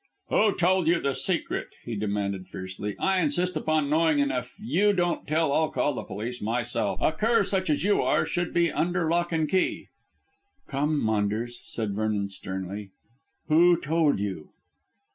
"Who told you the secret?" he demanded fiercely. "I insist upon knowing, and if you don't tell I'll call in the police myself. A cur such as you are should be under lock and key." "Come, Maunders," said Vernon sternly, "who told you?"